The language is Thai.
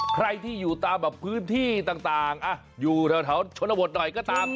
ใครที่อยู่ตามแบบพื้นที่ต่างอยู่แถวชนบทหน่อยก็ตาม